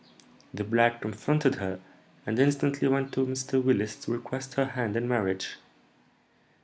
The black comforted her, and instantly went to Mr. Willis to request her hand in marriage."